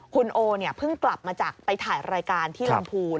คุณโอเนี่ยเพิ่งกลับมาจากไปถ่ายรายการที่ลำพูน